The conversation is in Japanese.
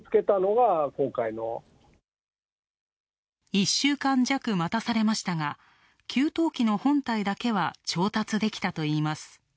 １週間弱待たされましたが、給湯器の本体だけは調達できたといいます。